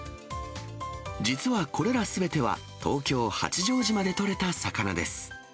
実はこれらすべては、東京・八丈島で取れた魚です。